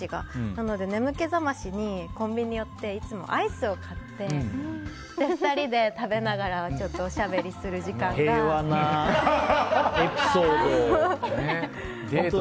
なので、眠気覚ましにコンビニに寄っていつもアイスを買って２人で食べながらちょっとおしゃべりする時間が。デートだね。